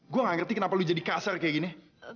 gue gak ngerti kenapa lo jadi kasar kayak gini